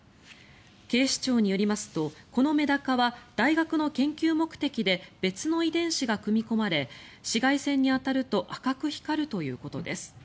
警視庁によりますとこのメダカは大学の研究目的で別の遺伝子が組み込まれ紫外線に当たると赤く光るということです。